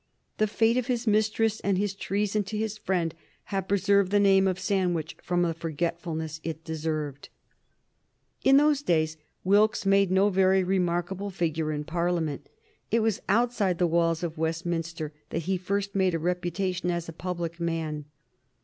The fate of his mistress and his treason to his friend have preserved the name of Sandwich from the forgetfulness it deserved. [Sidenote: 1763 Wilkes as a Member of Parliament] In those days Wilkes made no very remarkable figure in Parliament. It was outside the walls of Westminster that he first made a reputation as a public man.